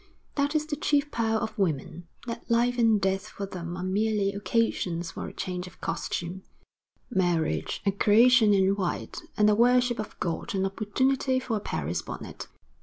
That is the chief power of women, that life and death for them are merely occasions for a change of costume, marriage a creation in white, and the worship of God an opportunity for a Paris bonnet.'